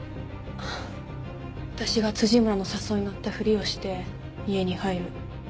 私が村の誘いにのったふりをして家に入る。